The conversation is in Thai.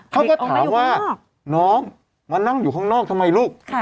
เขาก็ถามว่าน้องมานั่งอยู่ข้างนอกทำไมลูก